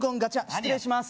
「失礼します」